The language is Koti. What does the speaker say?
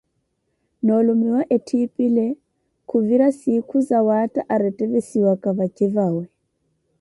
Noolumiya etthipele khuvira siikhu sawatta aretevisiyaka vace vawe.